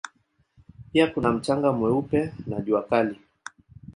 Pia kuna mchanga mweupe na jua kali.